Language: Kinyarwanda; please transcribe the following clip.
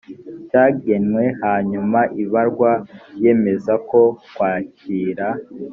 cyagenwe hanyuma ibarwa yemeza ko kwakira